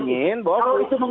karena buat undang undang